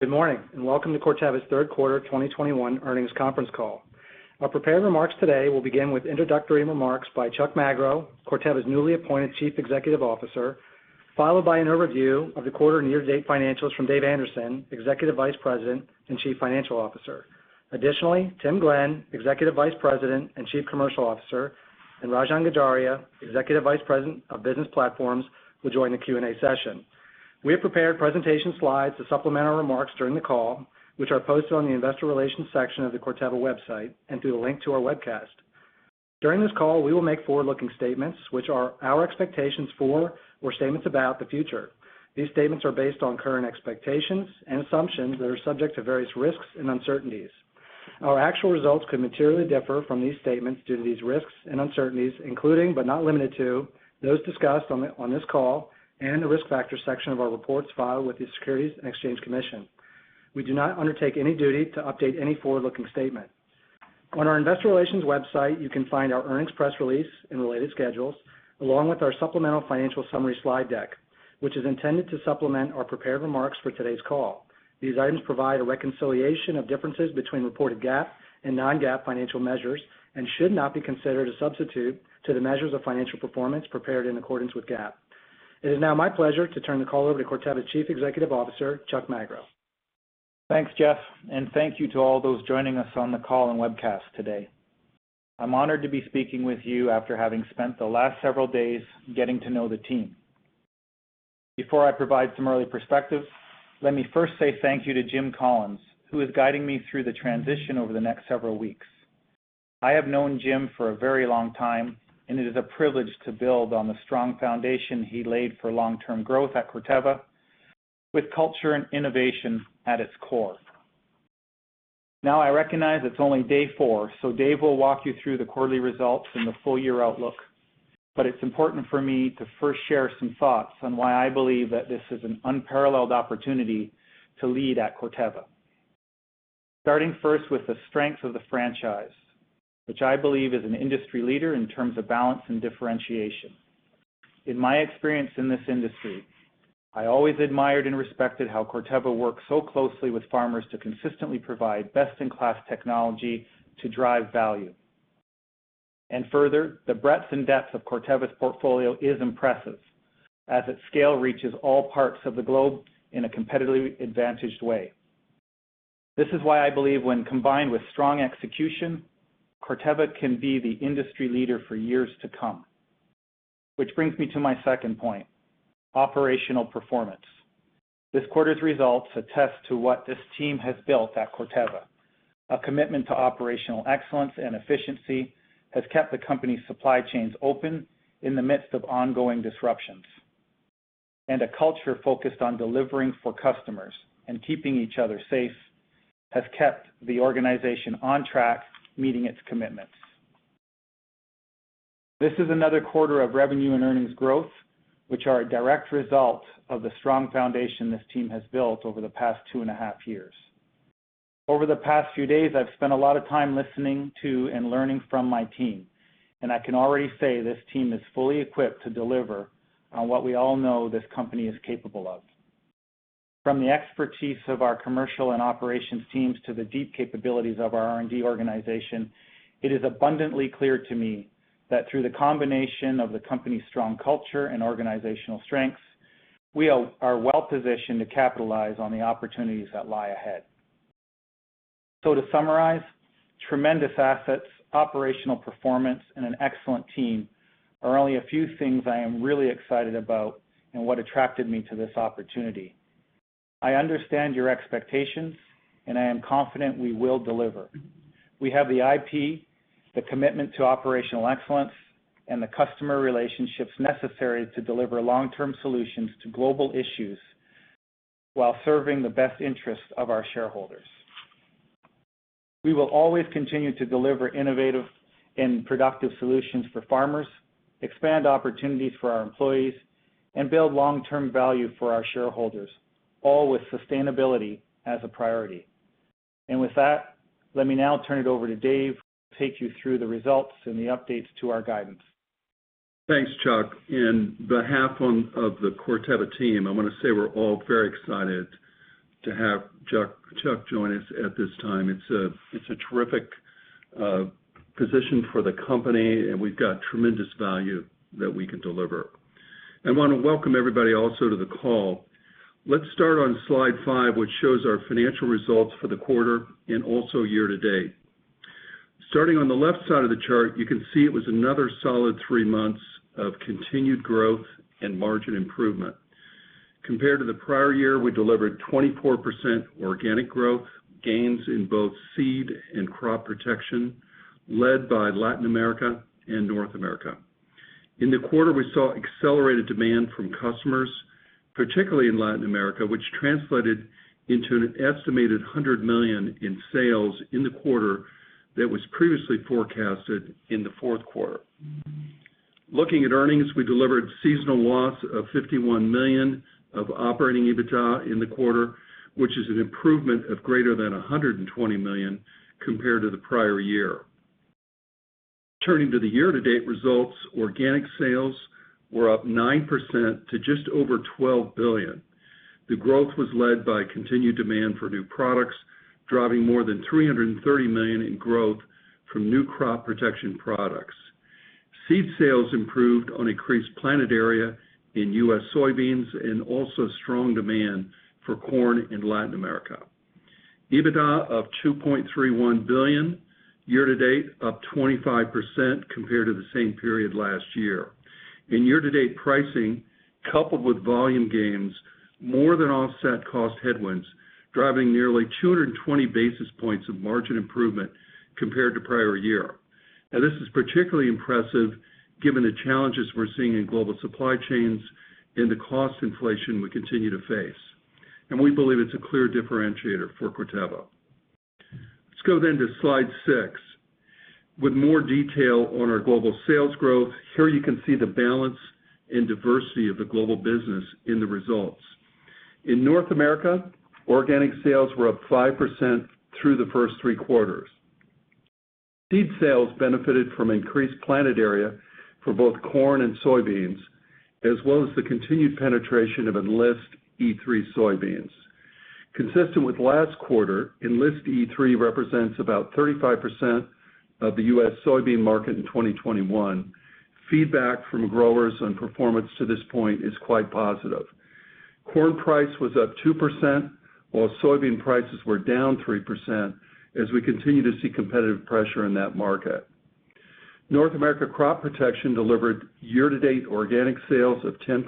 Good morning, and welcome to Corteva's Third Quarter 2021 Earnings Conference Call. Our prepared remarks today will begin with introductory remarks by Chuck Magro, Corteva's newly appointed Chief Executive Officer, followed by an overview of the quarter and year-to-date financials from Dave Anderson, Executive Vice President and Chief Financial Officer. Additionally, Tim Glenn, Executive Vice President and Chief Commercial Officer, and Rajan Gajaria, Executive Vice President of Business Platforms will join the Q&A session. We have prepared presentation slides to supplement our remarks during the call, which are posted on the investor relations section of the Corteva website and through a link to our webcast. During this call, we will make forward-looking statements, which are our expectations for or statements about the future. These statements are based on current expectations and assumptions that are subject to various risks and uncertainties. Our actual results could materially differ from these statements due to these risks and uncertainties, including, but not limited to, those discussed on this call and the Risk Factors section of our reports filed with the Securities and Exchange Commission. We do not undertake any duty to update any forward-looking statement. On our investor relations website, you can find our earnings press release and related schedules, along with our supplemental financial summary slide deck, which is intended to supplement our prepared remarks for today's call. These items provide a reconciliation of differences between reported GAAP and non-GAAP financial measures and should not be considered a substitute to the measures of financial performance prepared in accordance with GAAP. It is now my pleasure to turn the call over to Corteva Chief Executive Officer, Chuck Magro. Thanks, Jeff, and thank you to all those joining us on the call and webcast today. I'm honored to be speaking with you after having spent the last several days getting to know the team. Before I provide some early perspective, let me first say thank you to Jim Collins, who is guiding me through the transition over the next several weeks. I have known Jim for a very long time, and it is a privilege to build on the strong foundation he laid for long-term growth at Corteva with culture and innovation at its core. Now I recognize it's only day 4, so Dave will walk you through the quarterly results and the full year outlook. It's important for me to first share some thoughts on why I believe that this is an unparalleled opportunity to lead at Corteva. Starting first with the strength of the franchise, which I believe is an industry leader in terms of balance and differentiation. In my experience in this industry, I always admired and respected how Corteva worked so closely with farmers to consistently provide best-in-class technology to drive value. Further, the breadth and depth of Corteva's portfolio is impressive as its scale reaches all parts of the globe in a competitively advantaged way. This is why I believe when combined with strong execution, Corteva can be the industry leader for years to come. Which brings me to my second point, operational performance. This quarter's results attest to what this team has built at Corteva. A commitment to operational excellence and efficiency has kept the company's supply chains open in the midst of ongoing disruptions. A culture focused on delivering for customers and keeping each other safe has kept the organization on track, meeting its commitments. This is another quarter of revenue and earnings growth, which are a direct result of the strong foundation this team has built over the past two and a half years. Over the past few days, I've spent a lot of time listening to and learning from my team, and I can already say this team is fully equipped to deliver on what we all know this company is capable of. From the expertise of our commercial and operations teams to the deep capabilities of our R&D organization, it is abundantly clear to me that through the combination of the company's strong culture and organizational strengths, we are well-positioned to capitalize on the opportunities that lie ahead. To summarize, tremendous assets, operational performance, and an excellent team are only a few things I am really excited about and what attracted me to this opportunity. I understand your expectations, and I am confident we will deliver. We have the IP, the commitment to operational excellence, and the customer relationships necessary to deliver long-term solutions to global issues while serving the best interests of our shareholders. We will always continue to deliver innovative and productive solutions for farmers, expand opportunities for our employees, and build long-term value for our shareholders, all with sustainability as a priority. With that, let me now turn it over to Dave to take you through the results and the updates to our guidance. Thanks, Chuck. In behalf of the Corteva team, I want to say we're all very excited to have Chuck join us at this time. It's a terrific position for the company, and we've got tremendous value that we can deliver. I want to welcome everybody also to the call. Let's start on slide 5, which shows our financial results for the quarter and also year-to-date. Starting on the left side of the chart, you can see it was another solid three months of continued growth and margin improvement. Compared to the prior year, we delivered 24% organic growth, gains in both seed and crop protection, led by Latin America and North America. In the quarter, we saw accelerated demand from customers, particularly in Latin America, which translated into an estimated $100 million in sales in the quarter that was previously forecasted in the fourth quarter. Looking at earnings, we delivered seasonal loss of $51 million of operating EBITDA in the quarter, which is an improvement of greater than $120 million compared to the prior year. Turning to the year-to-date results, organic sales were up 9% to just over $12 billion. The growth was led by continued demand for new products, driving more than $330 million in growth from new crop protection products. Seed sales improved on increased planted area in U.S. soybeans and also strong demand for corn in Latin America. EBITDA of $2.31 billion year-to-date, up 25% compared to the same period last year. In year-to-date pricing, coupled with volume gains, more than offset cost headwinds, driving nearly 220 basis points of margin improvement compared to prior year. Now, this is particularly impressive given the challenges we're seeing in global supply chains and the cost inflation we continue to face. We believe it's a clear differentiator for Corteva. Let's go to slide six with more detail on our global sales growth. Here you can see the balance and diversity of the global business in the results. In North America, organic sales were up 5% through the first three quarters. Seed sales benefited from increased planted area for both corn and soybeans, as well as the continued penetration of Enlist E3 soybeans. Consistent with last quarter, Enlist E3 represents about 35% of the U.S. soybean market in 2021. Feedback from growers on performance to this point is quite positive. Corn price was up 2% while soybean prices were down 3% as we continue to see competitive pressure in that market. North America crop protection delivered year-to-date organic sales of 10%.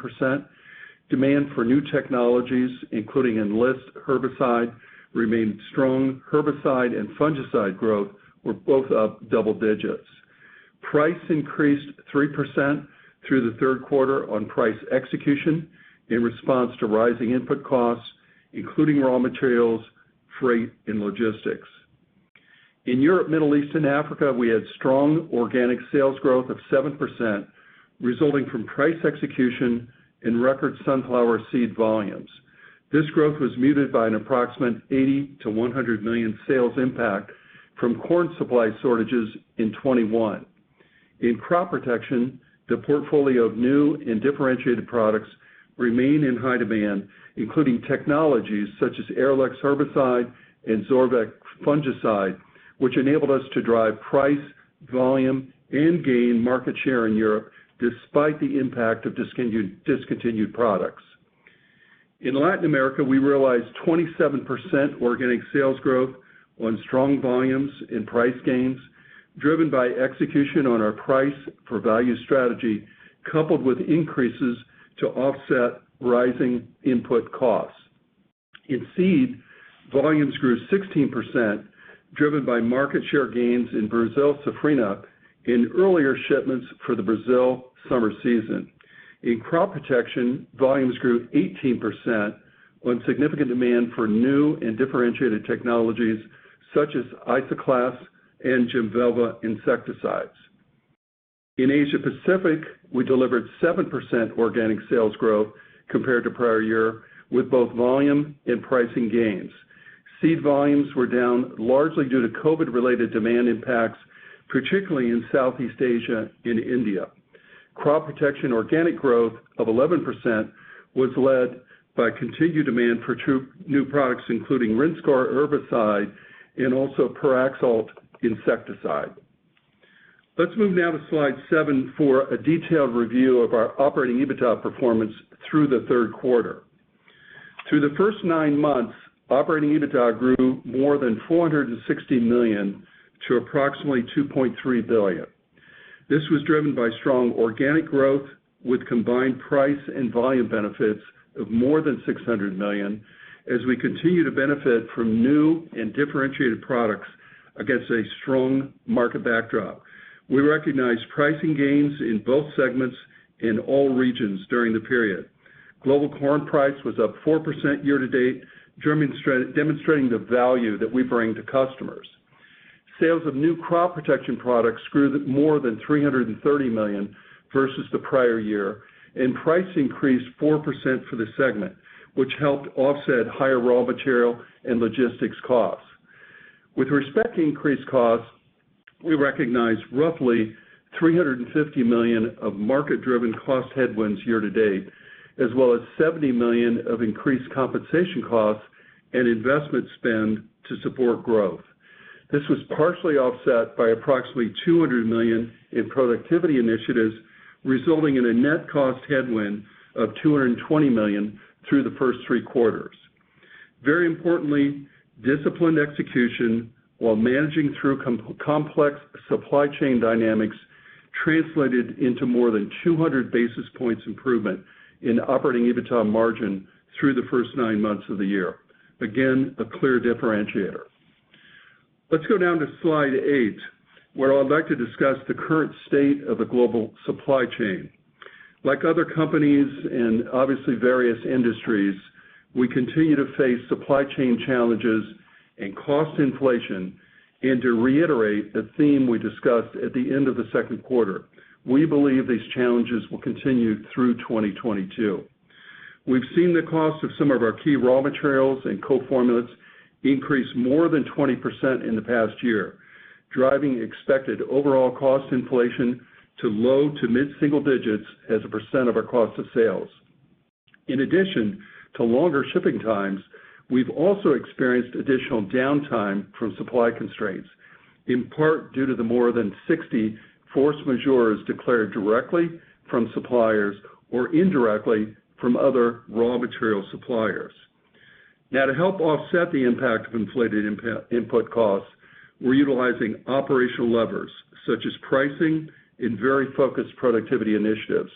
Demand for new technologies, including Enlist herbicide, remained strong. Herbicide and fungicide growth were both up double digits. Price increased 3% through the third quarter on price execution in response to rising input costs, including raw materials, freight, and logistics. In Europe, Middle East, and Africa, we had strong organic sales growth of 7% resulting from price execution and record sunflower seed volumes. This growth was muted by an approximate $80 million-$100 million sales impact from corn supply shortages in 2021. In crop protection, the portfolio of new and differentiated products remain in high demand, including technologies such as Arylex herbicide and Zorvec fungicide, which enabled us to drive price, volume, and gain market share in Europe despite the impact of discontinued products. In Latin America, we realized 27% organic sales growth on strong volumes in price gains driven by execution on our price for value strategy, coupled with increases to offset rising input costs. In seed, volumes grew 16%, driven by market share gains in Brazil safrinha in earlier shipments for the Brazil summer season. In crop protection, volumes grew 18% on significant demand for new and differentiated technologies such as Isoclast and Jemvelva insecticides. In Asia Pacific, we delivered 7% organic sales growth compared to prior year with both volume and pricing gains. Seed volumes were down largely due to COVID-related demand impacts, particularly in Southeast Asia and India. Crop protection organic growth of 11% was led by continued demand for two new products including Rinskor herbicide and also Pyraxalt insecticide. Let's move now to slide seven for a detailed review of our operating EBITDA performance through the third quarter. Through the first nine months, operating EBITDA grew more than $460 million to approximately $2.3 billion. This was driven by strong organic growth with combined price and volume benefits of more than $600 million as we continue to benefit from new and differentiated products against a strong market backdrop. We recognized pricing gains in both segments in all regions during the period. Global corn price was up 4% year-to-date, demonstrating the value that we bring to customers. Sales of new crop protection products grew more than $330 million versus the prior year and price increased 4% for the segment, which helped offset higher raw material and logistics costs. With respect to increased costs, we recognized roughly $350 million of market-driven cost headwinds year-to-date, as well as $70 million of increased compensation costs and investment spend to support growth. This was partially offset by approximately $200 million in productivity initiatives, resulting in a net cost headwind of $220 million through the first three quarters. Very importantly, disciplined execution while managing through complex supply chain dynamics translated into more than 200 basis points improvement in operating EBITDA margin through the first nine months of the year. Again, a clear differentiator. Let's go down to slide 8, where I'd like to discuss the current state of the global supply chain. Like other companies and obviously various industries, we continue to face supply chain challenges and cost inflation. To reiterate the theme we discussed at the end of the second quarter, we believe these challenges will continue through 2022. We've seen the cost of some of our key raw materials and co-formulas increase more than 20% in the past year, driving expected overall cost inflation to low to mid-single digits as a percent of our cost of sales. In addition to longer shipping times, we've also experienced additional downtime from supply constraints, in part due to the more than 60 force majeures declared directly from suppliers or indirectly from other raw material suppliers. Now to help offset the impact of inflated input costs, we're utilizing operational levers such as pricing and very focused productivity initiatives.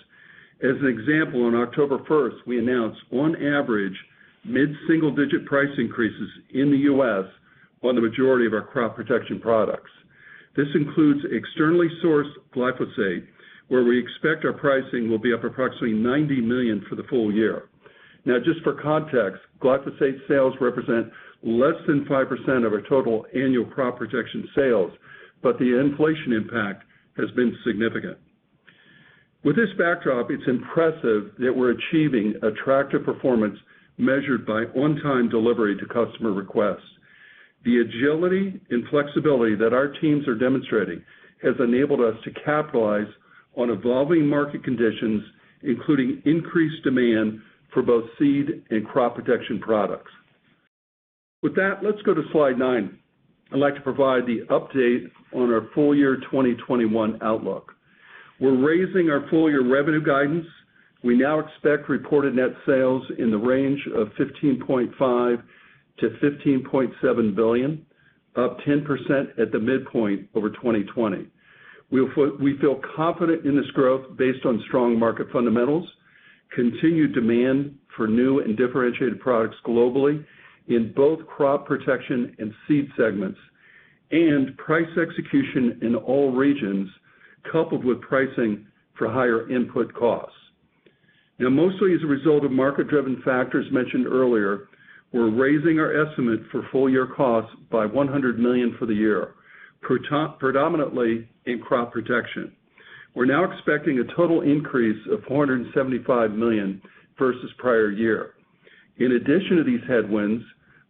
As an example, on October 1st, we announced on average mid-single-digit price increases in the U.S. on the majority of our crop protection products. This includes externally sourced glyphosate, where we expect our pricing will be up approximately $90 million for the full year. Now just for context, glyphosate sales represent less than 5% of our total annual crop protection sales, but the inflation impact has been significant. With this backdrop, it's impressive that we're achieving attractive performance measured by on-time delivery to customer requests. The agility and flexibility that our teams are demonstrating has enabled us to capitalize on evolving market conditions, including increased demand for both seed and crop protection products. With that, let's go to slide 9. I'd like to provide the update on our full year 2021 outlook. We're raising our full-year revenue guidance. We now expect reported net sales in the range of $15.5 billion-$15.7 billion, up 10% at the midpoint over 2020. We feel confident in this growth based on strong market fundamentals, continued demand for new and differentiated products globally in both crop protection and seed segments, and price execution in all regions, coupled with pricing for higher input costs. Mostly as a result of market-driven factors mentioned earlier, we're raising our estimate for full year costs by $100 million for the year, predominantly in crop protection. We're now expecting a total increase of $475 million versus prior year. In addition to these headwinds,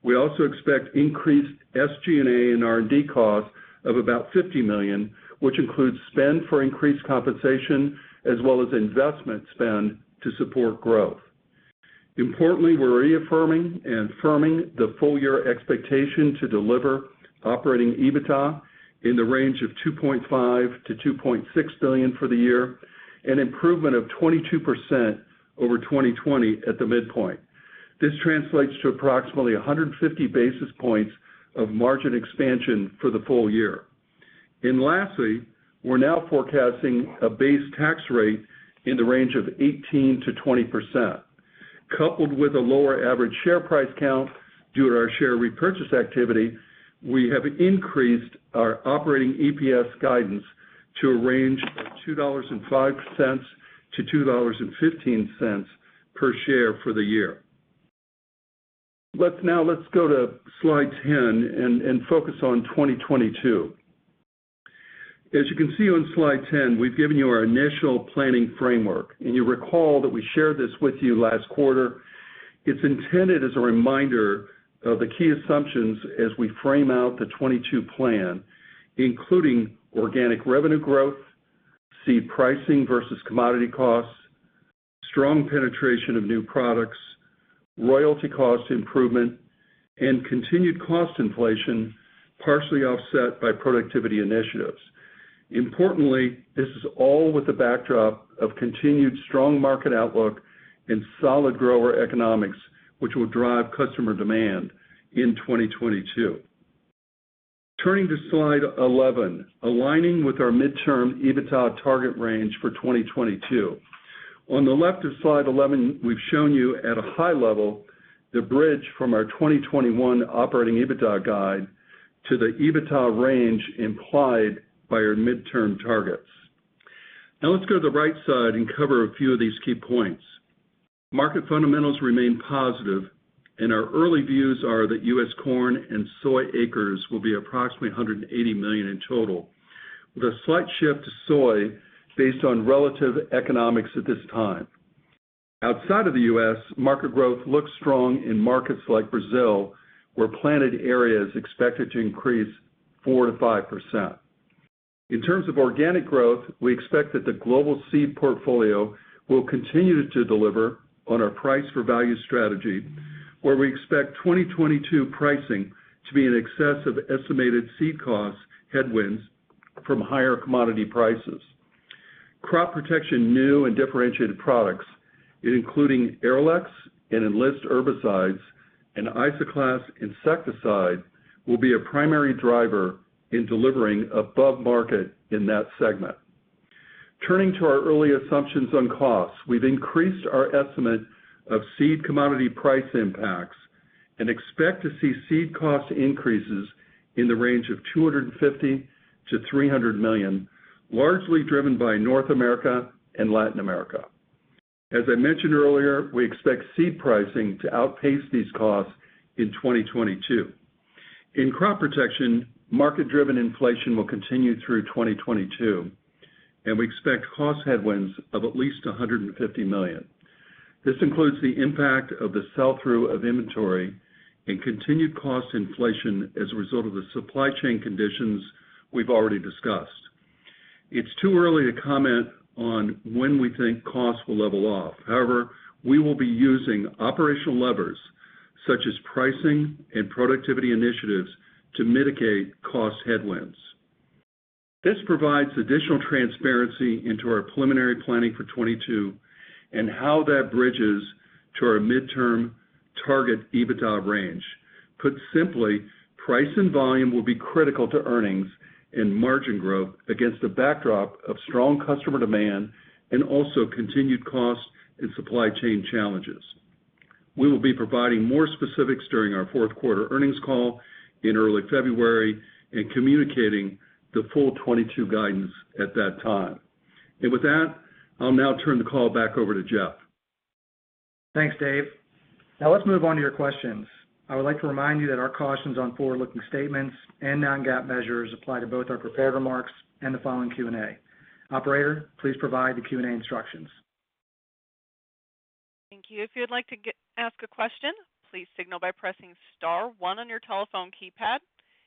we also expect increased SG&A and R&D costs of about $50 million, which includes spend for increased compensation as well as investment spend to support growth. Importantly, we're reaffirming and firming the full year expectation to deliver operating EBITDA in the range of $2.5 billion-$2.6 billion for the year, an improvement of 22% over 2020 at the midpoint. This translates to approximately 150 basis points of margin expansion for the full year. Lastly, we're now forecasting a base tax rate in the range of 18%-20%. Coupled with a lower average share price count due to our share repurchase activity, we have increased our operating EPS guidance to a range of $2.05-$2.15 per share for the year. Let's go to slide 10 and focus on 2022. As you can see on slide 10, we've given you our initial planning framework, and you recall that we shared this with you last quarter. It's intended as a reminder of the key assumptions as we frame out the 2022 plan, including organic revenue growth, seed pricing versus commodity costs, strong penetration of new products, royalty cost improvement, and continued cost inflation, partially offset by productivity initiatives. Importantly, this is all with the backdrop of continued strong market outlook and solid grower economics, which will drive customer demand in 2022. Turning to slide 11, aligning with our midterm EBITDA target range for 2022. On the left of slide 11, we've shown you at a high level the bridge from our 2021 operating EBITDA guide to the EBITDA range implied by our midterm targets. Now let's go to the right side and cover a few of these key points. Market fundamentals remain positive and our early views are that U.S. corn and soy acres will be approximately 180 million in total, with a slight shift to soy based on relative economics at this time. Outside of the U.S., market growth looks strong in markets like Brazil, where planted area is expected to increase 4%-5%. In terms of organic growth, we expect that the global seed portfolio will continue to deliver on our price for value strategy, where we expect 2022 pricing to be in excess of estimated seed cost headwinds from higher commodity prices. Crop Protection new and differentiated products, including Arylex and Enlist herbicides and Isoclast insecticide, will be a primary driver in delivering above market in that segment. Turning to our early assumptions on costs, we've increased our estimate of seed commodity price impacts and expect to see seed cost increases in the range of $250 million-$300 million, largely driven by North America and Latin America. As I mentioned earlier, we expect seed pricing to outpace these costs in 2022. In crop protection, market-driven inflation will continue through 2022, and we expect cost headwinds of at least $150 million. This includes the impact of the sell-through of inventory and continued cost inflation as a result of the supply chain conditions we've already discussed. It's too early to comment on when we think costs will level off. However, we will be using operational levers such as pricing and productivity initiatives to mitigate cost headwinds. This provides additional transparency into our preliminary planning for 2022 and how that bridges to our midterm target EBITDA range. Put simply, price and volume will be critical to earnings and margin growth against a backdrop of strong customer demand and also continued cost and supply chain challenges. We will be providing more specifics during our Fourth Quarter Earnings Call in early February and communicating the full 2022 guidance at that time. With that, I'll now turn the call back over to Jeff. Thanks, Dave. Now let's move on to your questions. I would like to remind you that our cautions on forward-looking statements and non-GAAP measures apply to both our prepared remarks and the following Q&A. Operator, please provide the Q&A instructions. Thank you. If you'd like to ask a question, please signal by pressing star one on your telephone keypad.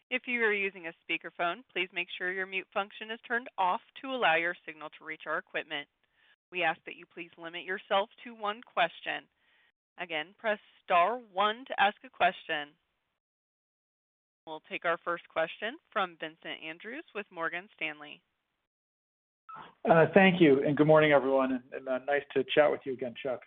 If you are using a speakerphone, please make sure your mute function is turned off to allow your signal to reach our equipment. We ask that you please limit yourself to one question. Again, press star one to ask a question. We'll take our first question from Vincent Andrews with Morgan Stanley. Thank you, and good morning, everyone, and nice to chat with you again, Chuck.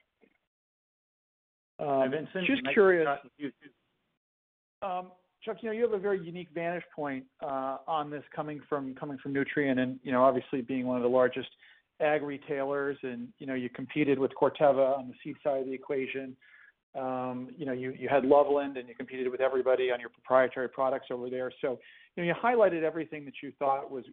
Hi, Vincent. Nice to chat with you too. Just curious. Chuck, you know, you have a very unique vantage point on this coming from Nutrien and, you know, obviously being one of the largest ag retailers and, you know, you competed with Corteva on the seed side of the equation. You know, you had Loveland, and you competed with everybody on your proprietary products over there. You know, you highlighted everything that you thought was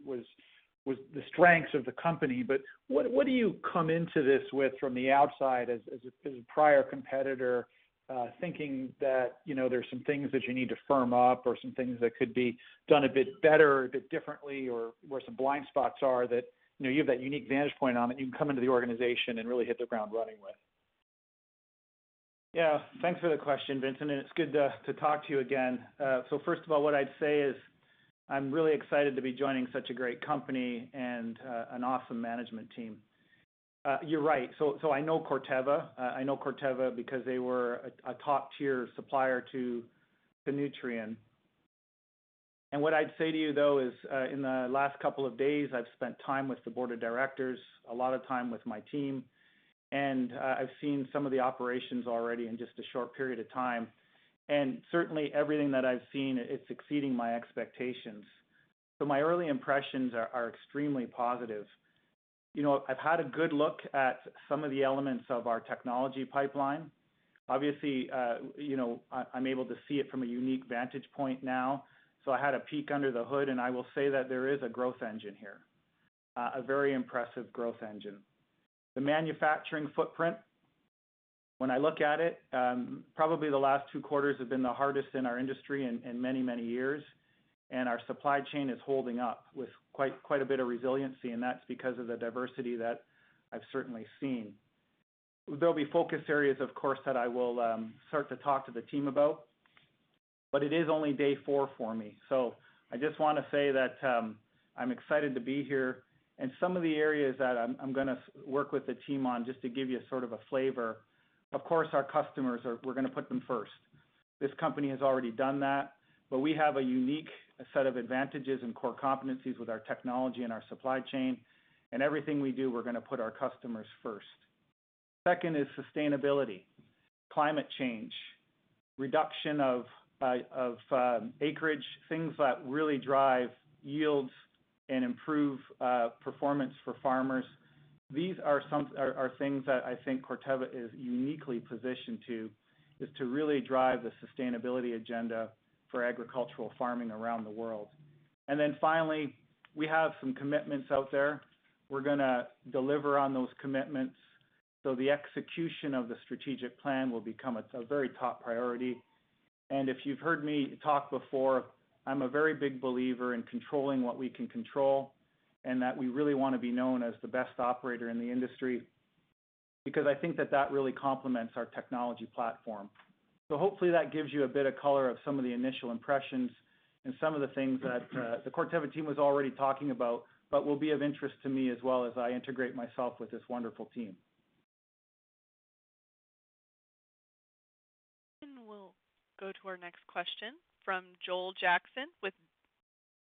the strengths of the company. What do you come into this with from the outside as a prior competitor, thinking that, you know, there's some things that you need to firm up or some things that could be done a bit better, a bit differently, or where some blind spots are that, you know, you have that unique vantage point on that you can come into the organization and really hit the ground running with? Yeah. Thanks for the question, Vincent, and it's good to talk to you again. First of all, what I'd say is I'm really excited to be joining such a great company and an awesome management team. You're right. I know Corteva. I know Corteva because they were a top-tier supplier to Nutrien. What I'd say to you, though, is in the last couple of days, I've spent time with the board of directors, a lot of time with my team, and I've seen some of the operations already in just a short period of time. Certainly, everything that I've seen is exceeding my expectations. My early impressions are extremely positive. You know, I've had a good look at some of the elements of our technology pipeline. Obviously, you know, I'm able to see it from a unique vantage point now. I had a peek under the hood, and I will say that there is a growth engine here, a very impressive growth engine. The manufacturing footprint, when I look at it, probably the last two quarters have been the hardest in our industry in many years, and our supply chain is holding up with quite a bit of resiliency, and that's because of the diversity that I've certainly seen. There'll be focus areas, of course, that I will start to talk to the team about, but it is only day four for me. I just wanna say that, I'm excited to be here. Some of the areas that I'm gonna work with the team on, just to give you sort of a flavor, of course, our customers we're gonna put them first. This company has already done that, but we have a unique set of advantages and core competencies with our technology and our supply chain. In everything we do, we're gonna put our customers first. Second is sustainability. Climate change, reduction of acreage, things that really drive yields and improve performance for farmers. These are things that I think Corteva is uniquely positioned to really drive the sustainability agenda for agricultural farming around the world. Then finally, we have some commitments out there. We're gonna deliver on those commitments, so the execution of the strategic plan will become a very top priority. If you've heard me talk before, I'm a very big believer in controlling what we can control and that we really wanna be known as the best operator in the industry because I think that that really complements our technology platform. Hopefully that gives you a bit of color of some of the initial impressions and some of the things that, the Corteva team was already talking about but will be of interest to me as well as I integrate myself with this wonderful team. We'll go to our next question from Joel Jackson with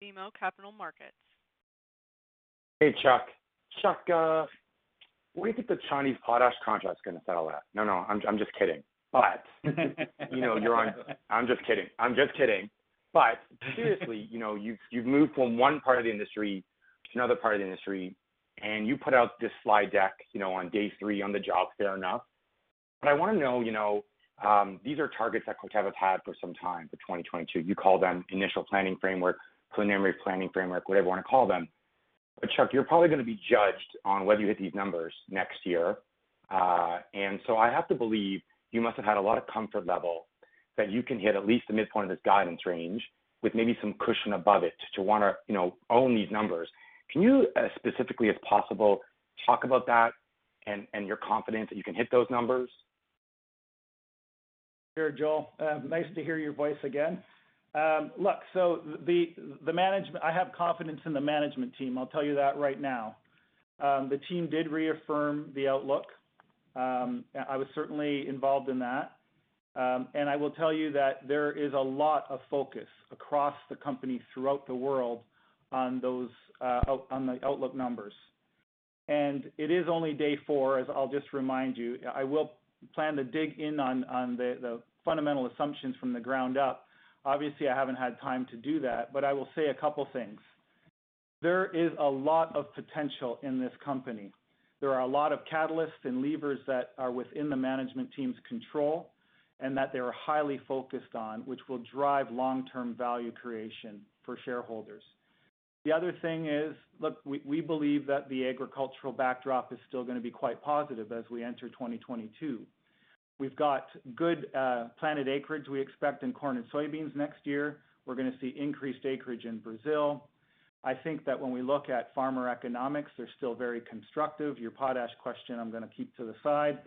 BMO Capital Markets. Hey, Chuck. Chuck, where do you think the Chinese potash contract's gonna settle at? No, I'm just kidding. You know, I'm just kidding. Seriously. You know, you've moved from one part of the industry to another part of the industry, and you put out this slide deck, you know, on day three on the job, fair enough. I wanna know, you know, these are targets that Corteva's had for some time, the 2022. You call them initial planning framework, preliminary planning framework, whatever you wanna call them. Chuck, you're probably gonna be judged on whether you hit these numbers next year. I have to believe you must have had a lot of comfort level that you can hit at least the midpoint of this guidance range with maybe some cushion above it to wanna, you know, own these numbers. Can you specifically, if possible, talk about that and your confidence that you can hit those numbers? Sure, Joel. Nice to hear your voice again. I have confidence in the management team. I'll tell you that right now. The team did reaffirm the outlook. I was certainly involved in that. I will tell you that there is a lot of focus across the company throughout the world on those outlook numbers. It is only day four, as I'll just remind you. I will plan to dig in on the fundamental assumptions from the ground up. Obviously, I haven't had time to do that, but I will say a couple things. There is a lot of potential in this company. There are a lot of catalysts and levers that are within the management team's control and that they are highly focused on, which will drive long-term value creation for shareholders. The other thing is, look, we believe that the agricultural backdrop is still gonna be quite positive as we enter 2022. We've got good planted acreage we expect in corn and soybeans next year. We're gonna see increased acreage in Brazil. I think that when we look at farmer economics, they're still very constructive. Your potash question I'm gonna keep to the side.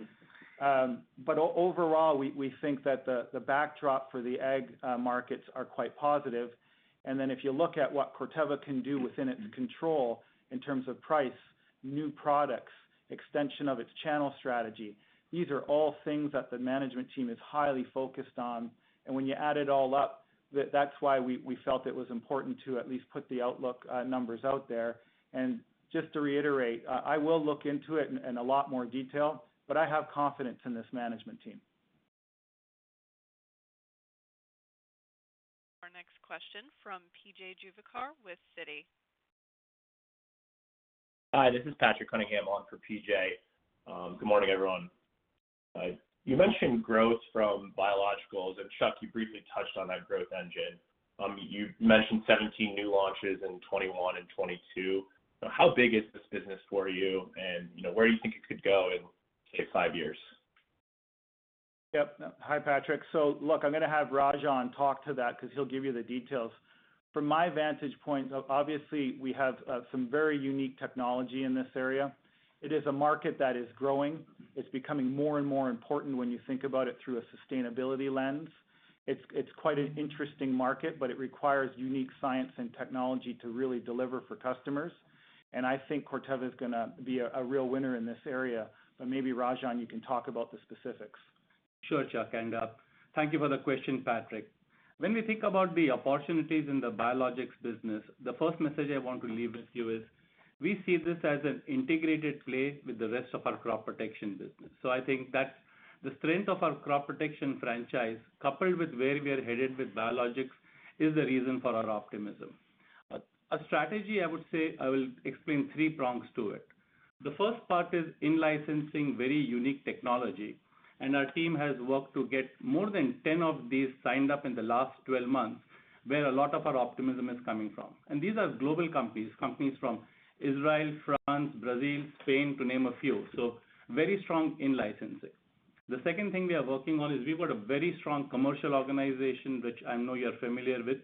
But overall, we think that the backdrop for the ag markets are quite positive. Then if you look at what Corteva can do within its control in terms of price, new products, extension of its channel strategy, these are all things that the management team is highly focused on. When you add it all up, that's why we felt it was important to at least put the outlook numbers out there. Just to reiterate, I will look into it in a lot more detail, but I have confidence in this management team. Our next question from P.J. Juvekar with Citi. Hi, this is Patrick Cunningham on for PJ. Good morning, everyone. You mentioned growth from biologicals. Chuck, you briefly touched on that growth engine. You mentioned 17 new launches in 2021 and 2022. How big is this business for you, and, you know, where do you think it could go in, say, five years? Yep. Hi, Patrick. Look, I'm gonna have Rajan talk to that because he'll give you the details. From my vantage point, obviously, we have some very unique technology in this area. It is a market that is growing. It's becoming more and more important when you think about it through a sustainability lens. It's quite an interesting market, but it requires unique science and technology to really deliver for customers. I think Corteva is gonna be a real winner in this area. Maybe, Rajan, you can talk about the specifics. Sure, Chuck, thank you for the question, Patrick. When we think about the opportunities in the biologics business, the first message I want to leave with you is we see this as an integrated play with the rest of our crop protection business. I think that the strength of our crop protection franchise, coupled with where we are headed with biologics, is the reason for our optimism. A strategy I would say I will explain three prongs to it. The first part is in-licensing very unique technology, and our team has worked to get more than 10 of these signed up in the last 12 months, where a lot of our optimism is coming from. These are global companies from Israel, France, Brazil, Spain, to name a few. Very strong in licensing. The second thing we are working on is we've got a very strong commercial organization, which I know you're familiar with.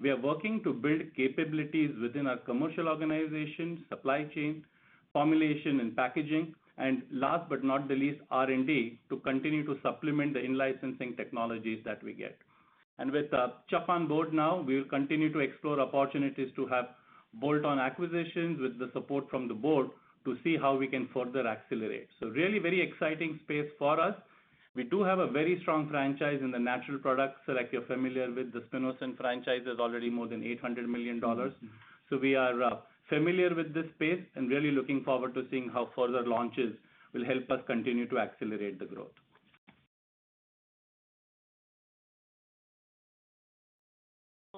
We are working to build capabilities within our commercial organization, supply chain, formulation and packaging, and last but not least, R&D, to continue to supplement the in-licensing technologies that we get. With Chuck on board now, we will continue to explore opportunities to have bolt-on acquisitions with the support from the board to see how we can further accelerate. Really very exciting space for us. We do have a very strong franchise in the natural products. Like you're familiar with, the spinosyn franchise is already more than $800 million. We are familiar with this space and really looking forward to seeing how further launches will help us continue to accelerate the growth.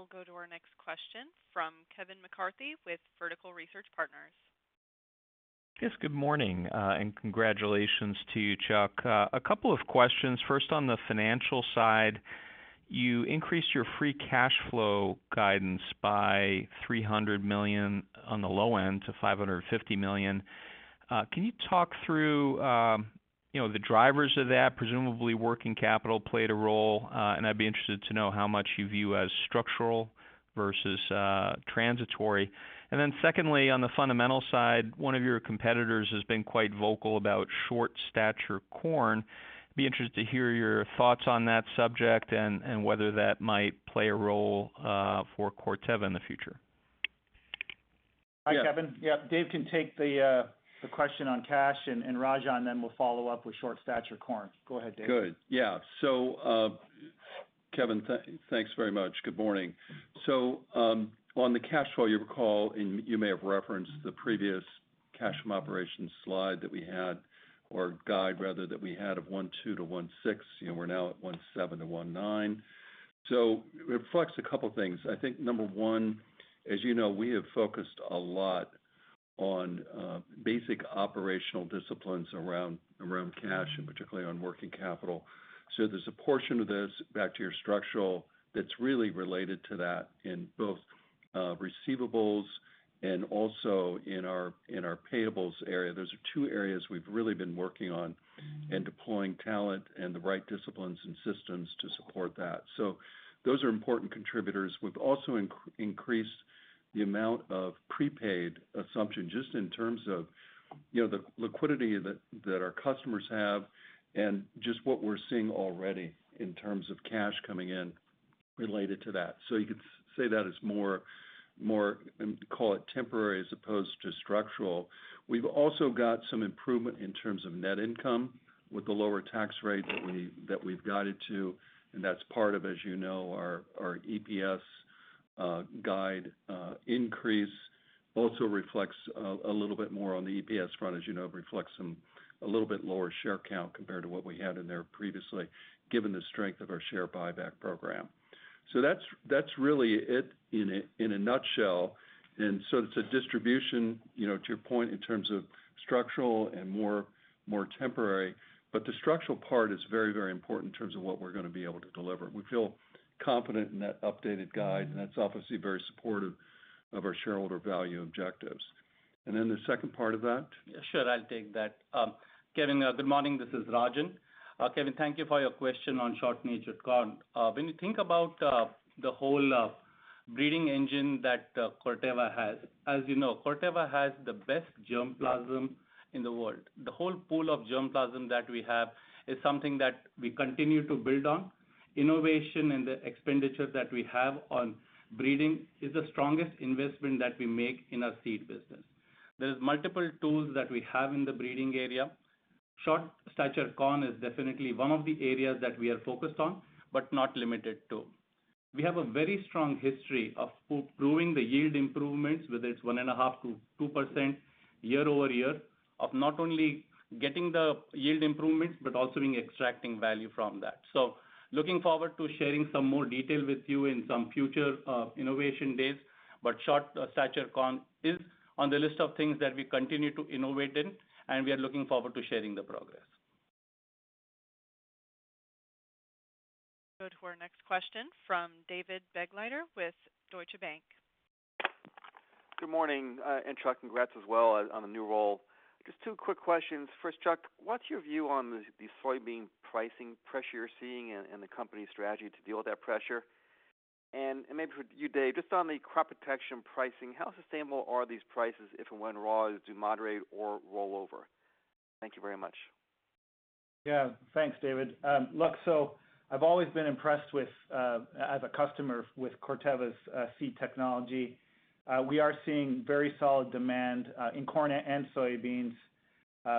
We'll go to our next question from Kevin McCarthy with Vertical Research Partners. Yes, good morning, and congratulations to you, Chuck. A couple of questions. First, on the financial side, you increased your free cash flow guidance by $300 million on the low end to $550 million. Can you talk through, you know, the drivers of that? Presumably working capital played a role, and I'd be interested to know how much you view as structural versus transitory. Secondly, on the fundamental side, one of your competitors has been quite vocal about short stature corn. I'd be interested to hear your thoughts on that subject and whether that might play a role for Corteva in the future. Hi, Kevin. Yeah, Dave can take the question on cash, and Rajan then will follow up with short stature corn. Go ahead, Dave. Good. Yeah. Kevin, thanks very much. Good morning. On the cash flow, you recall, and you may have referenced the previous cash from operations slide that we had or guide rather that we had of $120-$160, and we're now at $170-$190. It reflects a couple of things. I think number one, as you know, we have focused a lot on basic operational disciplines around cash and particularly on working capital. There's a portion of this back to your structural that's really related to that in both receivables. Also in our payables area. Those are two areas we've really been working on and deploying talent and the right disciplines and systems to support that. Those are important contributors. We've also increased the amount of prepaid assumption just in terms of, you know, the liquidity that our customers have and just what we're seeing already in terms of cash coming in related to that. You could say that is more, call it temporary as opposed to structural. We've also got some improvement in terms of net income with the lower tax rate that we've guided to, and that's part of, as you know, our EPS guide increase also reflects a little bit more on the EPS front, as you know, reflects some a little bit lower share count compared to what we had in there previously, given the strength of our share buyback program. That's really it in a nutshell. It's a distribution, you know, to your point in terms of structural and more temporary. The structural part is very important in terms of what we're gonna be able to deliver. We feel confident in that updated guide, and that's obviously very supportive of our shareholder value objectives. Then the second part of that? Yeah, sure. I'll take that. Kevin, good morning, this is Rajan. Kevin, thank you for your question on short stature corn. When you think about the whole breeding engine that Corteva has, as you know, Corteva has the best germplasm in the world. The whole pool of germplasm that we have is something that we continue to build on. Innovation and the expenditures that we have on breeding is the strongest investment that we make in our seed business. There's multiple tools that we have in the breeding area. Short stature corn is definitely one of the areas that we are focused on, but not limited to. We have a very strong history of proving the yield improvements, whether it's 1.5%-2% year-over-year of not only getting the yield improvements, but also in extracting value from that. Looking forward to sharing some more detail with you in some future innovation days. Short stature corn is on the list of things that we continue to innovate in, and we are looking forward to sharing the progress. Go to our next question from David Begleiter with Deutsche Bank. Good morning, and Chuck, congrats as well on the new role. Just two quick questions. First, Chuck, what's your view on the soybean pricing pressure you're seeing and the company's strategy to deal with that pressure? Maybe for you, Dave, just on the crop protection pricing, how sustainable are these prices if and when raws moderate or roll over? Thank you very much. Yeah. Thanks, David. Look, so I've always been impressed with, as a customer with Corteva's seed technology. We are seeing very solid demand in corn and soybeans,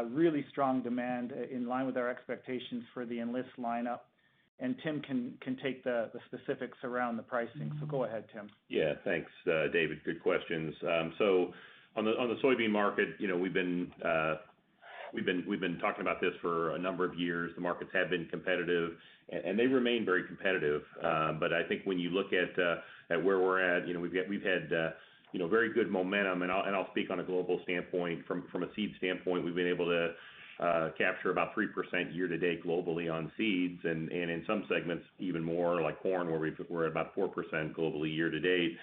really strong demand in line with our expectations for the Enlist lineup. Tim can take the specifics around the pricing. Go ahead, Tim. Yeah. Thanks, David. Good questions. On the soybean market, you know, we've been talking about this for a number of years. The markets have been competitive and they remain very competitive. But I think when you look at where we're at, you know, we've had very good momentum, and I'll speak on a global standpoint. From a seed standpoint, we've been able to capture about 3% year-to-date globally on seeds and in some segments even more like corn, where we're at about 4% globally year-to-date.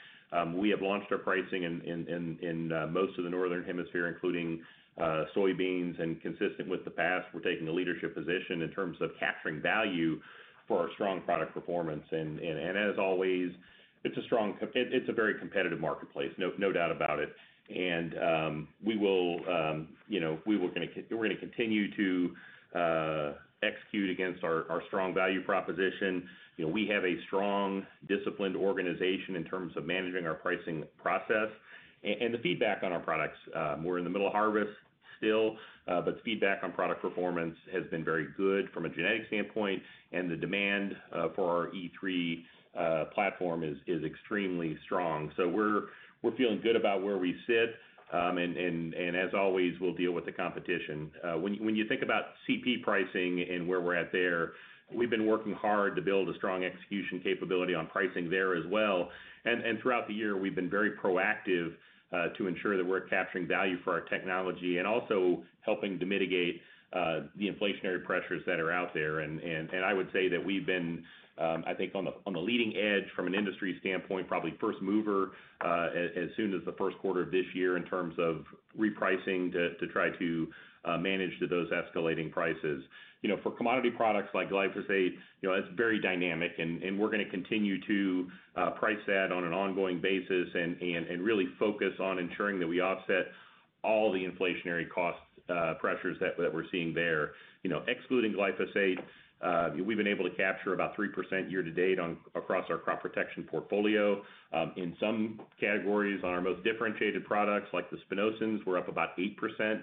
We have launched our pricing in most of the northern hemisphere, including soybeans. Consistent with the past, we're taking a leadership position in terms of capturing value for our strong product performance. As always, it's a very competitive marketplace, no doubt about it. You know, we're gonna continue to execute against our strong value proposition. You know, we have a strong, disciplined organization in terms of managing our pricing process. The feedback on our products, we're in the middle of harvest still, but the feedback on product performance has been very good from a genetic standpoint. The demand for our E3 platform is extremely strong. We're feeling good about where we sit. As always, we'll deal with the competition. When you think about CP pricing and where we're at there, we've been working hard to build a strong execution capability on pricing there as well. I would say that we've been, I think on the leading edge from an industry standpoint, probably first mover, as soon as the first quarter of this year in terms of repricing to try to manage to those escalating prices. You know, for commodity products like glyphosate, you know, that's very dynamic and we're gonna continue to price that on an ongoing basis and really focus on ensuring that we offset all the inflationary cost pressures that we're seeing there. You know, excluding glyphosate, we've been able to capture about 3% year-to-date across our crop protection portfolio. In some categories on our most differentiated products like the spinosyns, we're up about 8%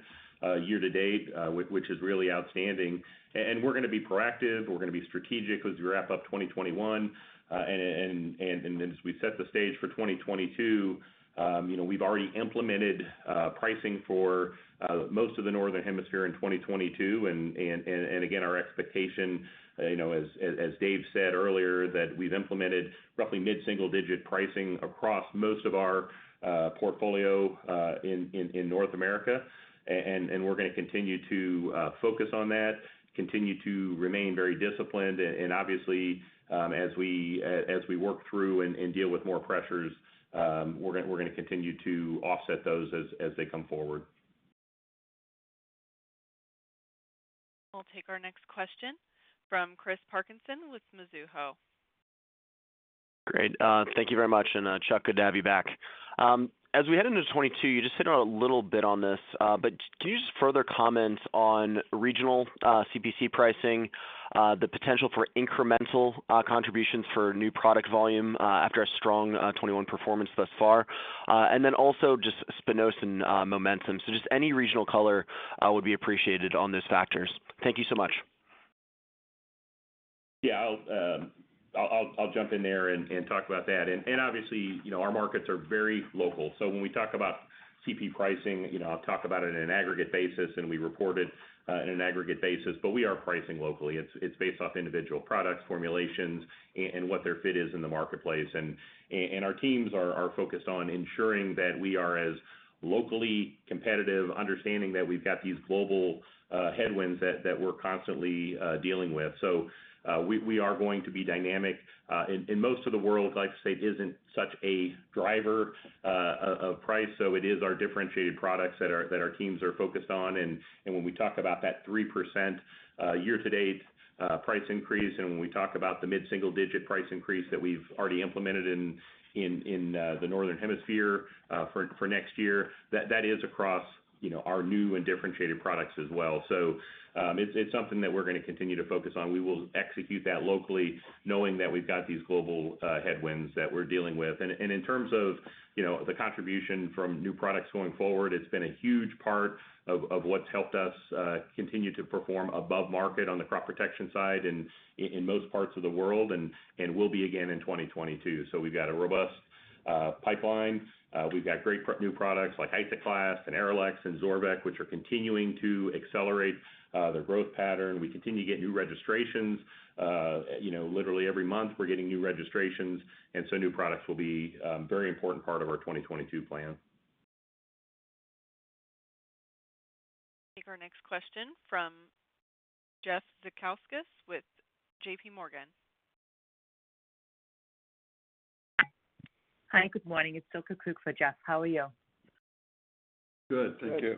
year-to-date, which is really outstanding. We're gonna be proactive, we're gonna be strategic as we wrap up 2021. Then as we set the stage for 2022, you know, we've already implemented pricing for most of the northern hemisphere in 2022. Again, our expectation, you know, as Dave said earlier, that we've implemented roughly mid-single digit pricing across most of our portfolio in North America. We're gonna continue to focus on that, continue to remain very disciplined. Obviously, as we work through and deal with more pressures, we're gonna continue to offset those as they come forward. We'll take our next question from Chris Parkinson with Mizuho. Great. Thank you very much. Chuck, good to have you back. As we head into 2022, you just hit on a little bit on this, but can you just further comment on regional CP pricing, the potential for incremental contributions for new product volume, after a strong 2021 performance thus far? Then also just spinosyn momentum. Just any regional color would be appreciated on those factors. Thank you so much. Yeah, I'll jump in there and obviously, you know, our markets are very local. When we talk about CP pricing, you know, I'll talk about it in an aggregate basis, and we report it in an aggregate basis. We are pricing locally. It's based off individual products, formulations, and what their fit is in the marketplace. Our teams are focused on ensuring that we are as locally competitive, understanding that we've got these global headwinds that we're constantly dealing with. We are going to be dynamic. In most of the world, I'd like to say isn't such a driver of price. It is our differentiated products that our teams are focused on. When we talk about that 3%, year-to-date, price increase, and when we talk about the mid-single digit price increase that we've already implemented in the northern hemisphere, for next year, that is across, you know, our new and differentiated products as well. It's something that we're gonna continue to focus on. We will execute that locally knowing that we've got these global headwinds that we're dealing with. In terms of, you know, the contribution from new products going forward, it's been a huge part of what's helped us continue to perform above market on the crop protection side and in most parts of the world, and will be again in 2022. We've got a robust pipeline. We've got great new products like Isoclast and Arylex and Zorvec, which are continuing to accelerate their growth pattern. We continue to get new registrations. You know, literally every month we're getting new registrations. New products will be a very important part of our 2022 plan. Take our next question from Jeff Zekauskas with JPMorgan. Hi, good morning. It's Silke Kueck for Jeff. How are you? Good, thank you.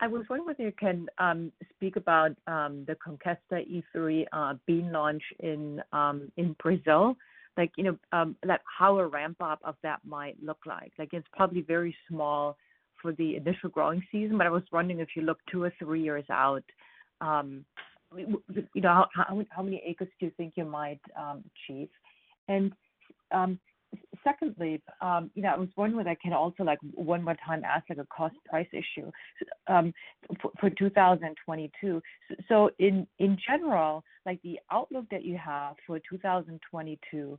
I was wondering whether you can speak about the Conkesta E3 being launched in Brazil. Like, you know, like how a ramp up of that might look like. Like it's probably very small for the initial growing season, but I was wondering if you look two or three years out, you know, how many acres do you think you might achieve? And, secondly, you know, I was wondering whether I could also like, one more time ask like a cost price issue for 2022. So in general, like the outlook that you have for 2022,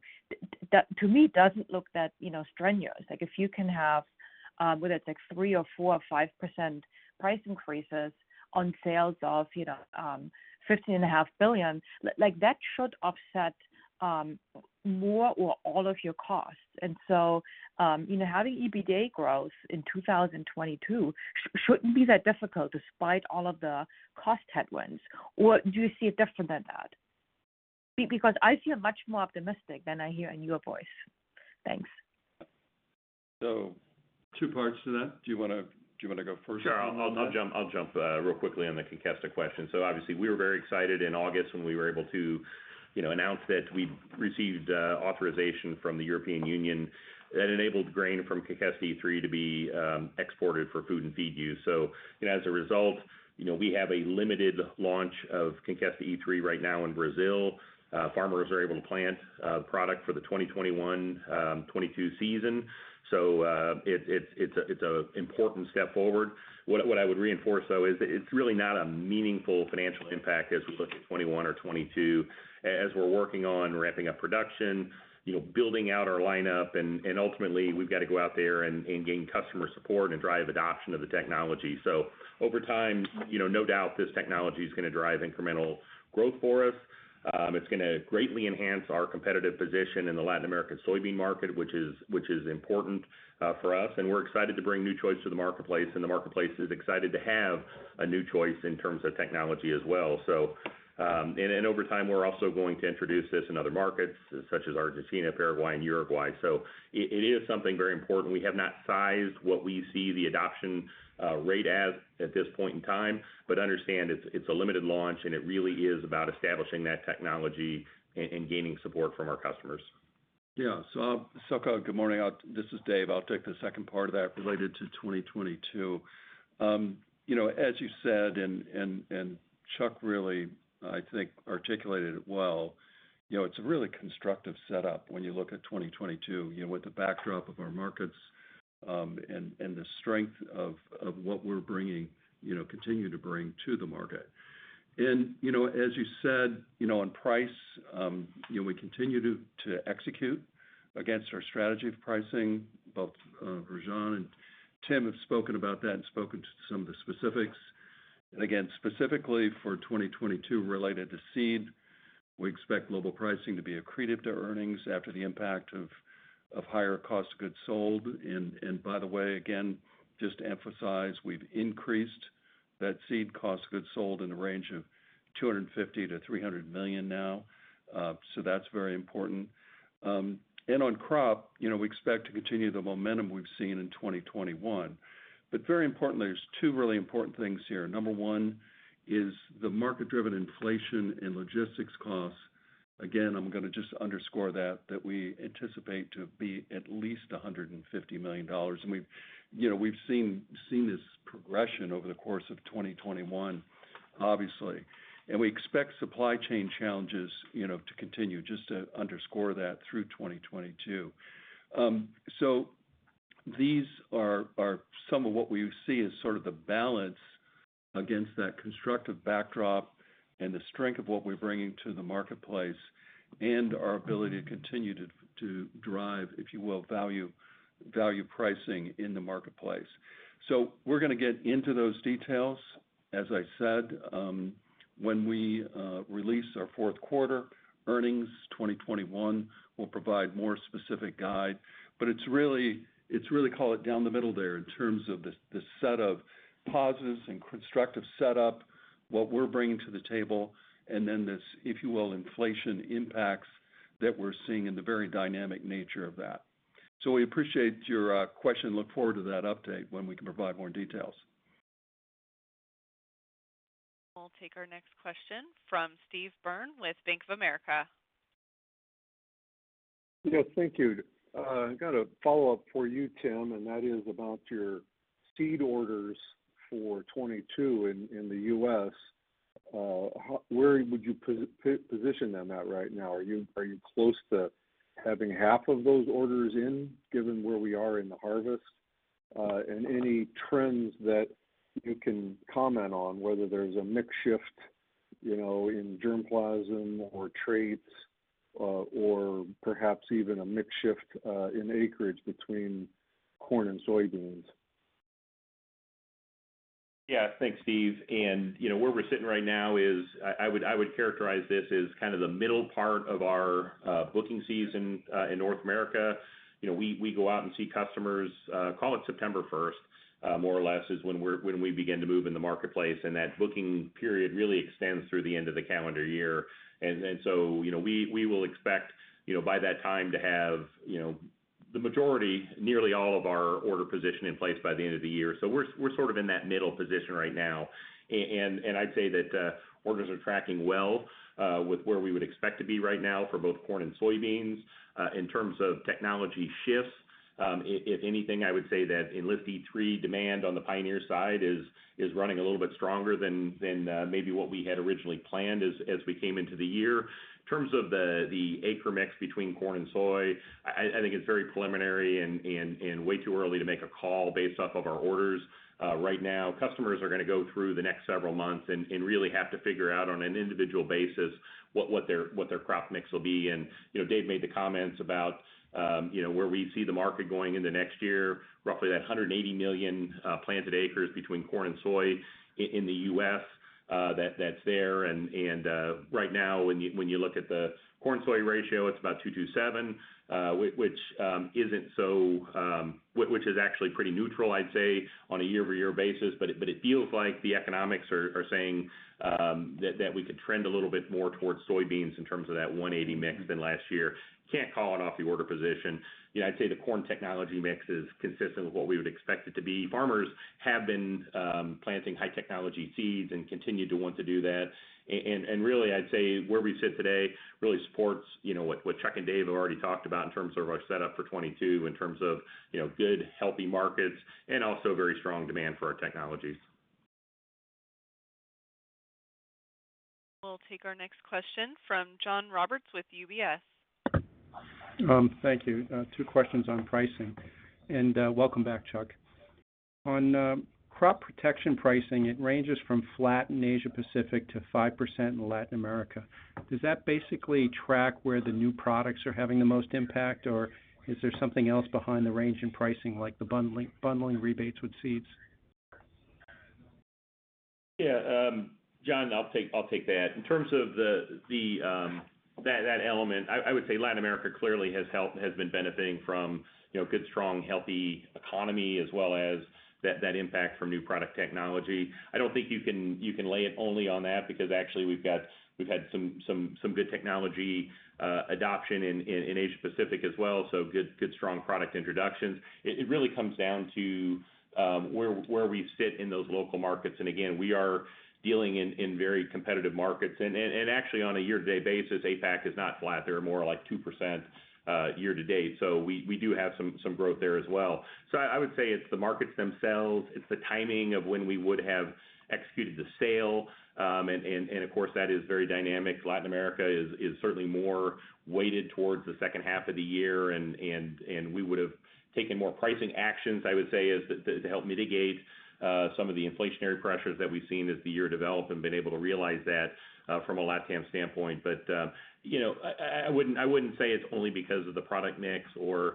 to me, doesn't look that, you know, strenuous. Like if you can have, whether it's like 3%, 4%, or 5% price increases on sales of, you know, $15.5 billion, like that should offset, more or all of your costs. You know, having EBITDA growth in 2022 shouldn't be that difficult despite all of the cost headwinds. Do you see it different than that? Because I feel much more optimistic than I hear in your voice. Thanks. Two parts to that. Do you wanna go first on that? Sure. I'll jump real quickly on the Conkesta question. Obviously we were very excited in August when we were able to, you know, announce that we'd received authorization from the European Union that enabled grain from Conkesta E3 to be exported for food and feed use. You know, as a result, you know, we have a limited launch of Conkesta E3 right now in Brazil. Farmers are able to plant product for the 2021-2022 season. It's a important step forward. What I would reinforce though is it's really not a meaningful financial impact as we look to 2021 or 2022 as we're working on ramping up production, you know, building out our lineup and ultimately we've got to go out there and gain customer support and drive adoption of the technology. Over time, you know, no doubt this technology is gonna drive incremental growth for us. It's gonna greatly enhance our competitive position in the Latin American soybean market, which is important for us. We're excited to bring new choice to the marketplace, and the marketplace is excited to have a new choice in terms of technology as well. Over time, we're also going to introduce this in other markets such as Argentina, Paraguay and Uruguay. It is something very important. We have not sized what we see the adoption rate as at this point in time, but understand it's a limited launch and it really is about establishing that technology and gaining support from our customers. Yeah. Silke, good morning. This is Dave. I'll take the second part of that related to 2022. You know, as you said and Chuck really, I think articulated it well, you know, it's a really constructive setup when you look at 2022, you know, with the backdrop of our markets, and the strength of what we're bringing, you know, continue to bring to the market. You know, as you said, you know, on price, you know, we continue to execute against our strategy of pricing. Both, Rajan and Tim have spoken about that and spoken to some of the specifics. Again, specifically for 2022 related to seed, we expect global pricing to be accretive to earnings after the impact of higher cost goods sold. By the way, again, just to emphasize, we've increased that seed cost of goods sold in the range of $250 million-$300 million now. So that's very important. On crop, you know, we expect to continue the momentum we've seen in 2021. Very importantly, there's two really important things here. Number one is the market-driven inflation and logistics costs. Again, I'm gonna just underscore that we anticipate to be at least $150 million. And we've, you know, we've seen this progression over the course of 2021, obviously. We expect supply chain challenges, you know, to continue, just to underscore that through 2022. These are some of what we see as sort of the balance against that constructive backdrop and the strength of what we're bringing to the marketplace and our ability to continue to drive, if you will, value pricing in the marketplace. We're gonna get into those details. As I said, when we release our fourth quarter earnings, 2021, we will provide more specific guidance. It's really call it down the middle there in terms of the set of positives and constructive setup, what we're bringing to the table, and then this, if you will, inflation impacts that we're seeing and the very dynamic nature of that. We appreciate your question and look forward to that update when we can provide more details. We'll take our next question from Steve Byrne with Bank of America. Yeah, thank you. I've got a follow-up for you, Tim, and that is about your seed orders for 2022 in the U.S. Where would you position them right now? Are you close to having half of those orders in, given where we are in the harvest? Any trends that you can comment on whether there's a mix shift, you know, in germplasm or traits, or perhaps even a mix shift in acreage between corn and soybeans. Yeah. Thanks, Steve. You know, where we're sitting right now is I would characterize this as kind of the middle part of our booking season in North America. You know, we go out and see customers, call it September 1st, more or less is when we begin to move in the marketplace, and that booking period really extends through the end of the calendar year. You know, we will expect, you know, by that time to have, you know, the majority, nearly all of our order position in place by the end of the year. We're sort of in that middle position right now. And I'd say that orders are tracking well with where we would expect to be right now for both corn and soybeans. In terms of technology shifts, if anything, I would say that Enlist E3 demand on the Pioneer side is running a little bit stronger than maybe what we had originally planned as we came into the year. In terms of the acre mix between corn and soy, I think it's very preliminary and way too early to make a call based off of our orders. Right now, customers are gonna go through the next several months and really have to figure out on an individual basis what their crop mix will be. You know, Dave made the comments about, you know, where we see the market going in the next year, roughly that 180 million planted acres between corn and soy in the U.S., that's there. Right now, when you look at the corn soy ratio, it's about 2 to 7, which is actually pretty neutral, I'd say, on a year-over-year basis. It feels like the economics are saying that we could trend a little bit more towards soybeans in terms of that 180 mix than last year. Can't call it out of order position. You know, I'd say the corn technology mix is consistent with what we would expect it to be. Farmers have been planting high technology seeds and continue to want to do that. Really, I'd say where we sit today really supports, you know, what Chuck and Dave have already talked about in terms of our setup for 2022, in terms of, you know, good, healthy markets and also very strong demand for our technologies. We'll take our next question from John Roberts with UBS. Thank you. Two questions on pricing. Welcome back, Chuck. On crop protection pricing, it ranges from flat in Asia Pacific to 5% in Latin America. Does that basically track where the new products are having the most impact, or is there something else behind the range in pricing, like the bundling rebates with seeds? Yeah, John, I'll take that. In terms of that element, I would say Latin America clearly has helped and has been benefiting from, you know, good, strong, healthy economy as well as that impact from new product technology. I don't think you can lay it only on that because actually we've got we've had some good technology adoption in Asia Pacific as well, so good strong product introductions. It really comes down to where we sit in those local markets. Again, we are dealing in very competitive markets. Actually on a year-to-date basis, APAC is not flat. They are more like 2% year-to-date. We do have some growth there as well. I would say it's the markets themselves, it's the timing of when we would have executed the sale. Of course, that is very dynamic. Latin America is certainly more weighted towards the second half of the year and we would have taken more pricing actions, I would say, to help mitigate some of the inflationary pressures that we've seen as the year developed and been able to realize that from a LatAm standpoint. You know, I wouldn't say it's only because of the product mix or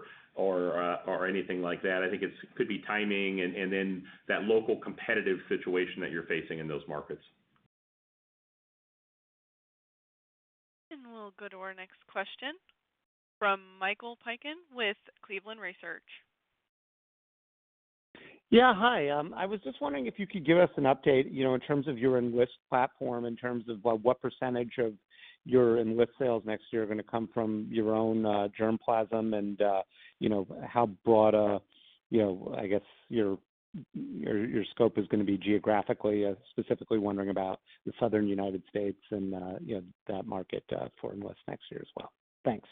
anything like that. I think it could be timing and then that local competitive situation that you're facing in those markets. We'll go to our next question from Michael Piken with Cleveland Research. Yeah. Hi. I was just wondering if you could give us an update, you know, in terms of your Enlist platform, in terms of what percentage of your Enlist sales next year are gonna come from your own germplasm and, you know, how broad, you know, I guess, your scope is gonna be geographically. Specifically wondering about the Southern United States and, you know, that market for Enlist next year as well. Thanks.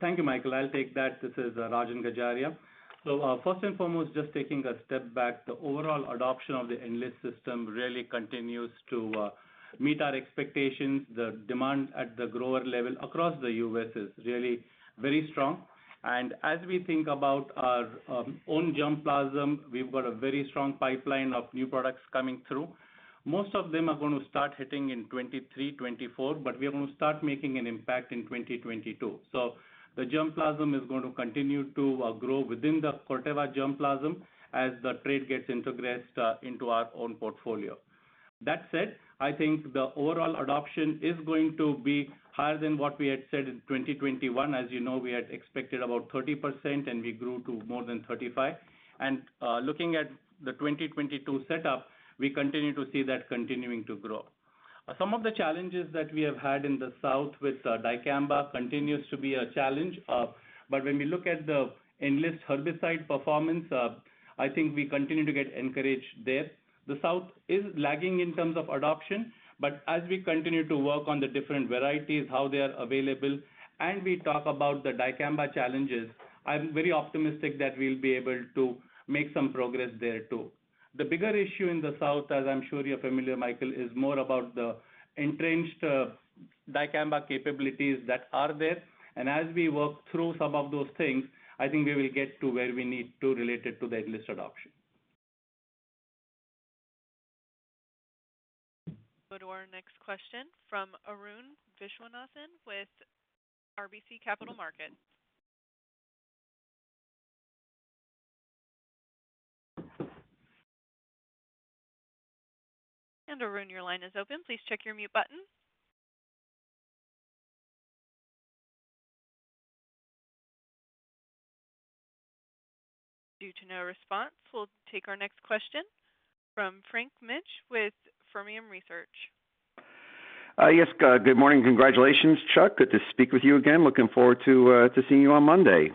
Thank you, Michael. I'll take that. This is Rajan Gajaria. First and foremost, just taking a step back, the overall adoption of the Enlist system really continues to meet our expectations. The demand at the grower level across the U.S. is really very strong. As we think about our own germplasm, we've got a very strong pipeline of new products coming through. Most of them are gonna start hitting in 2023, 2024, but we are gonna start making an impact in 2022. The germplasm is going to continue to grow within the Corteva germplasm as the trait gets integrated into our own portfolio. That said, I think the overall adoption is going to be higher than what we had said in 2021. As you know, we had expected about 30%, and we grew to more than 35. Looking at the 2022 setup, we continue to see that continuing to grow. Some of the challenges that we have had in the South with dicamba continues to be a challenge. But when we look at the Enlist herbicide performance, I think we continue to get encouraged there. The South is lagging in terms of adoption, but as we continue to work on the different varieties, how they are available, and we talk about the dicamba challenges, I'm very optimistic that we'll be able to make some progress there too. The bigger issue in the South, as I'm sure you're familiar, Michael, is more about the entrenched dicamba capabilities that are there. As we work through some of those things, I think we will get to where we need to related to the Enlist adoption. Go to our next question from Arun Viswanathan with RBC Capital Markets. Arun, your line is open. Please check your mute button. Due to no response, we'll take our next question from Frank Mitsch with Fermium Research. Yes, good morning. Congratulations, Chuck. Good to speak with you again. Looking forward to seeing you on Monday.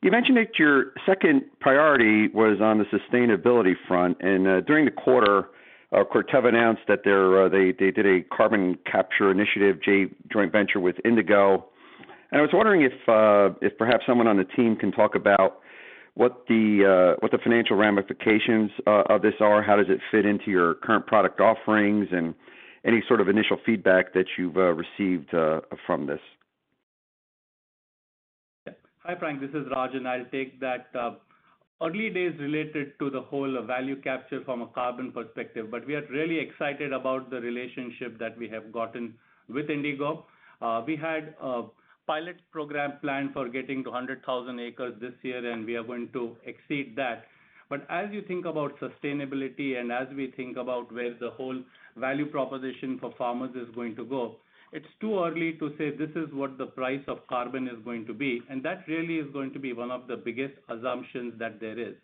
You mentioned that your second priority was on the sustainability front, and during the quarter, Corteva announced that they did a carbon capture initiative joint venture with Indigo. I was wondering if perhaps someone on the team can talk about what the financial ramifications of this are, how does it fit into your current product offerings, and any sort of initial feedback that you've received from this. Hi, Frank, this is Rajan. I'll take that. Early days related to the whole value capture from a carbon perspective, but we are really excited about the relationship that we have gotten with Indigo. We had a pilot program planned for getting to 100,000 acres this year, and we are going to exceed that. As you think about sustainability and as we think about where the whole value proposition for farmers is going to go, it's too early to say this is what the price of carbon is going to be, and that really is going to be one of the biggest assumptions that there is.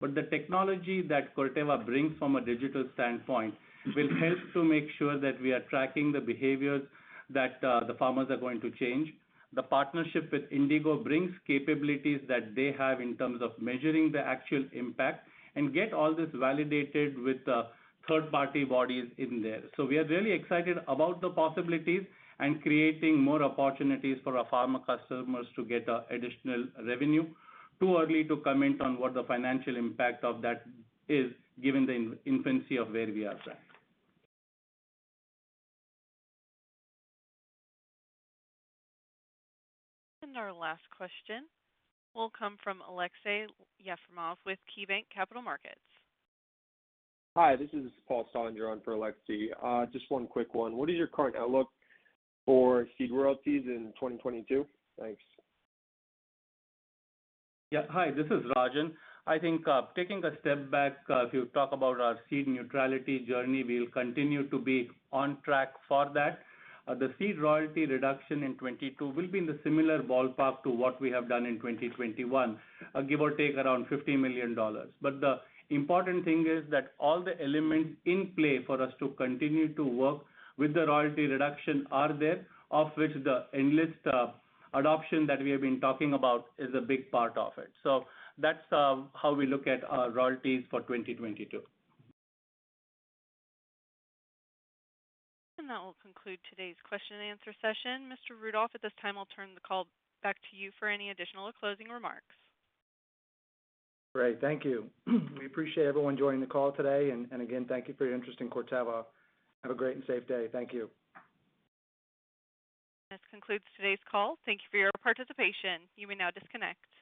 The technology that Corteva brings from a digital standpoint will help to make sure that we are tracking the behaviors that the farmers are going to change. The partnership with Indigo brings capabilities that they have in terms of measuring the actual impact and get all this validated with the third-party bodies in there. We are really excited about the possibilities and creating more opportunities for our farmer customers to get additional revenue. Too early to comment on what the financial impact of that is, given the infancy of where we are at. Our last question will come from Aleksey Yefremov with KeyBanc Capital Markets. Hi, this is Paul Staudinger on for Aleksey. Just one quick one. What is your current outlook for seed royalties in 2022? Thanks. Yeah. Hi, this is Rajan. I think, taking a step back, if you talk about our seed neutrality journey, we'll continue to be on track for that. The seed royalty reduction in 2022 will be in the similar ballpark to what we have done in 2021, give or take around $50 million. The important thing is that all the elements in play for us to continue to work with the royalty reduction are there, of which the Enlist adoption that we have been talking about is a big part of it. That's how we look at our royalties for 2022. That will conclude today's question and answer session. Mr. Rudolph, at this time, I'll turn the call back to you for any additional or closing remarks. Great. Thank you. We appreciate everyone joining the call today. Again, thank you for your interest in Corteva. Have a great and safe day. Thank you. This concludes today's call. Thank you for your participation. You may now disconnect.